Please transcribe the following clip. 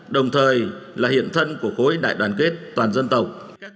đồng thời là hiện thân của khối đại đoàn kết toàn dân tộc